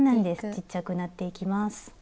ちっちゃくなっていきます。